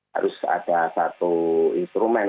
harus ada satu instrumen